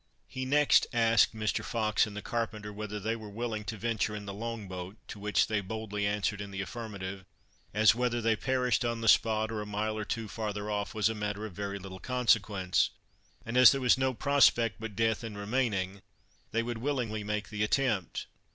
He next asked Mr. Fox and the carpenter whether they were willing to venture in the long boat, to which they boldly answered in the affirmative, as, whether they perished on the spot, or a mile or two farther off, was a matter of very little consequence, and as there was no prospect but death in remaining, they would willingly make the attempt.